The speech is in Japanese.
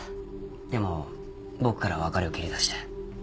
でも僕から別れを切り出して。